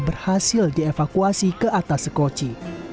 berhasil dievakuasi ke atas sekoci